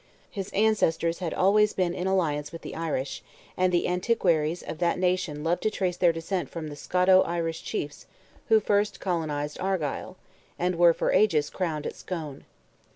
His ancestors had always been in alliance with the Irish, and the antiquaries of that nation loved to trace their descent from the Scoto Irish chiefs who first colonized Argyle, and were for ages crowned at Scone.